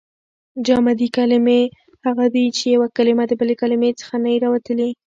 جامدي کلیمې هغه دي، چي یوه کلیمه د بلي کلیمې څخه نه يي راوتلي.